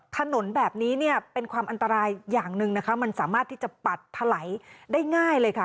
ถนนแบบนี้เป็นความอันตรายอย่างหนึ่งมันสามารถที่จะปัดทะไหลได้ง่ายเลยค่ะ